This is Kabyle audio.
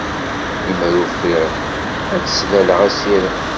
Limer ufiɣ ad d-slaleɣ asirem.